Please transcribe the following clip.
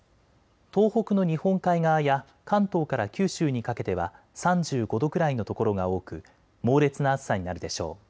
東北の日本海側や関東から九州にかけては３５度くらいの所が多く猛烈な暑さになるでしょう。